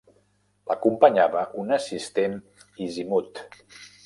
L'acompanyava un assistent, Isimud.